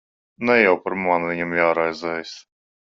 Ne jau par mani viņam jāraizējas.